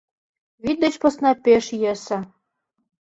Вӱд деч посна пеш йӧсӧ.